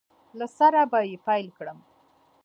له سره به یې پیل کړم